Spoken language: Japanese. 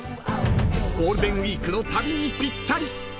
［ゴールデンウィークの旅にぴったり］